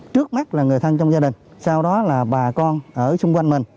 trước mắt là người thân trong gia đình sau đó là bà con ở xung quanh mình